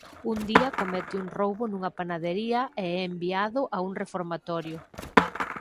Un día comete un roubo nunha panadaría e é enviado a un reformatorio.